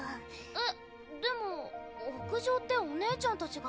えっでも屋上ってお姉ちゃんたちが。